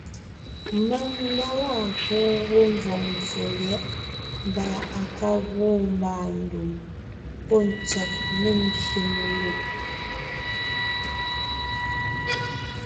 Mèŋ nda waa kuu wó mvɔ̀g mvfò lyɛ̌ʼ mbà à ka gwoon mbàandùm pɔ́ ntsɔ́b ne mbyè melùʼ;